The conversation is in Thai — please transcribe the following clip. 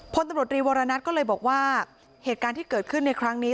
พลตำรวจรีวรณัทก็เลยบอกว่าเหตุการณ์ที่เกิดขึ้นในครั้งนี้